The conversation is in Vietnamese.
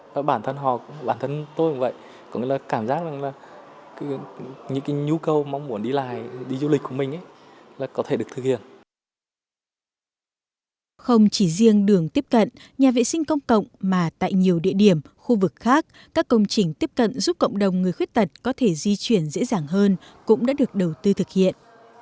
và bản thân họ bản thân tôi cũng vậy có cái cảm giác rằng là những cái nhu cầu mong muốn đi lại đi du lịch của mình là có thể được thực hiện